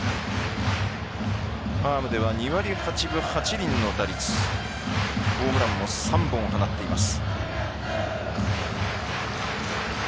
ファームでは２割８分８厘の打率ホームランも３本放っています。